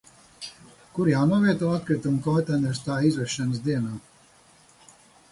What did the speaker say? Kur jānovieto atkritumu konteiners tā izvešanas dienā?